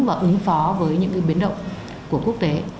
và ứng phó với những biến động của quốc tế